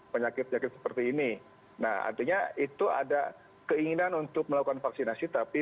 penyakit penyakit seperti ini nah artinya itu ada keinginan untuk melakukan vaksinasi tapi